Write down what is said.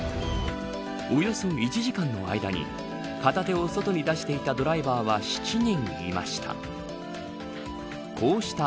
およそ１時間の間に片手を外に出していたドライバーは７人いました。